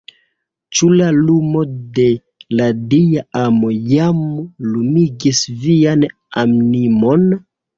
Ĉu la lumo de la Dia amo jam lumigis vian animon?